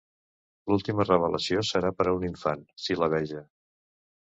L'última revelació serà per a un infant, sil·labeja.